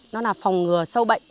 nó là phòng ngừa sâu bệnh